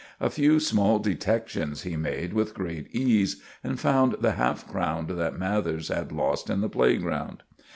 A few small detections he made with great ease, and found the half crown that Mathers had lost in the playground.